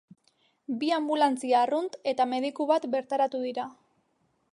Bi anbulantzia arrunt eta mediku bat bertaratu dira.